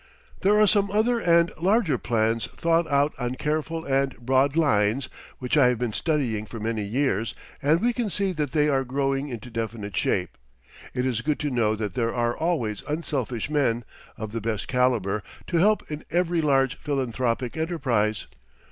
There are some other and larger plans thought out on careful and broad lines, which I have been studying for many years, and we can see that they are growing into definite shape. It is good to know that there are always unselfish men, of the best calibre, to help in every large philanthropic enterprise.